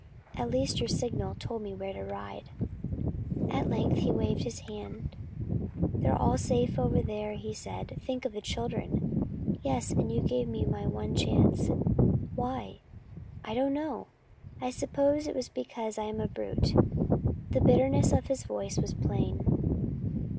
At least your signal told me where to ride." At length he waved his hand. "They're safe over there," said he. "Think of the children!" "Yes, and you gave me my one chance. Why?" "I don't know. I suppose it was because I am a brute!" The bitterness of his voice was plain.